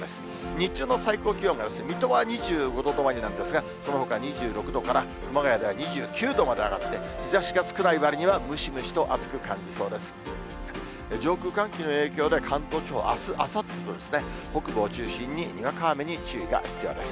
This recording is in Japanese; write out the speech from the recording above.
日中の最高気温が水戸は２５度止まりなんですが、そのほか２６度から熊谷では２９度まで上がって、日ざしが少ないわりにはムシムシと暑く感じそうです。